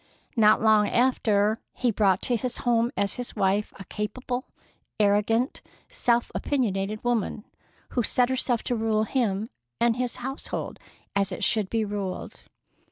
Not long after, he brought to his home as his wife a capable, arrogant, self opinionated woman, who set herself to rule him and his household as it should be ruled.